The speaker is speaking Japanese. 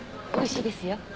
おいしいですよ。